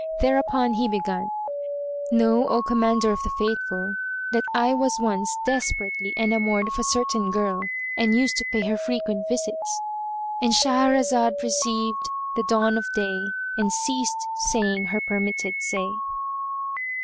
Thereupon he begun:—Know, O Commander of the Faithful, that I was once desperately enamoured of a certain girl and used to pay her frequent visits.——And Shahrazad perceived the dawn of day and ceased saying her permitted say.